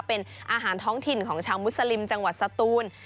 เป็นอาหารท้องถิ่นของชาวมุสลิมจังหวัดสตูน